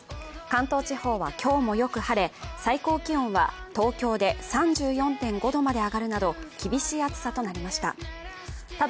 関東地方は今日もよく晴れ、最高気温は東京で３４．５度まで上がるなど厳しい暑さとなりました。